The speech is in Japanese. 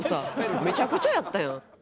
めちゃくちゃやったやん。